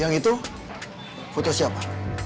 yang itu foto siapa